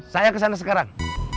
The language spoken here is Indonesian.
saya kesana sekarang